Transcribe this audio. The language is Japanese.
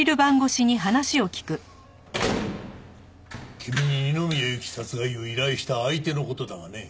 君に二宮ゆき殺害を依頼した相手の事だがね。